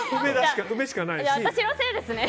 私のせいですね。